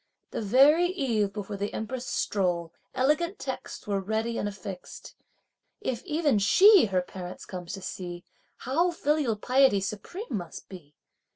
The very eve before the Empress' stroll, elegant texts were ready and affixed. If even she her parents comes to see, how filial piety supreme must be!